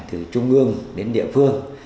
từ trung ương đến địa phương